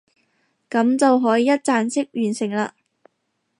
噉就可以一站式完成啦